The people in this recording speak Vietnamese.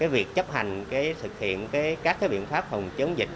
việc chấp hành thực hiện các biện pháp phòng chống dịch